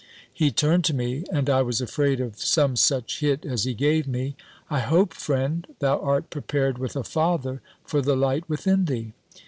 He turned to me and I was afraid of some such hit as he gave me. "I hope, friend, thou art prepared with a father for the light within thee?"